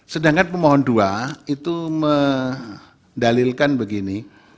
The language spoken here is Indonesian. sedangkan pemohon dua itu mendalilkan begini